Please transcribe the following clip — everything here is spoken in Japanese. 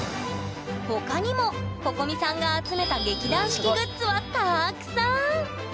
他にもここみさんが集めた劇団四季グッズはたくさん！